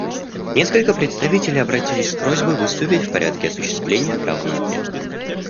Несколько представителей обратились с просьбой выступить в порядке осуществления права на ответ.